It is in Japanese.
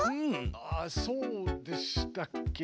あっそうでしたっけ？